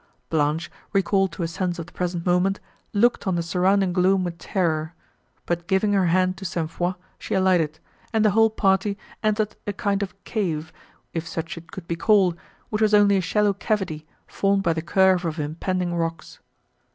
Blanche, recalled to a sense of the present moment, looked on the surrounding gloom, with terror; but giving her hand to St. Foix, she alighted, and the whole party entered a kind of cave, if such it could be called, which was only a shallow cavity, formed by the curve of impending rocks.